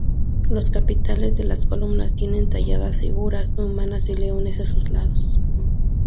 Los capiteles de las columnas tienen talladas figuras humanas y leones a su lados.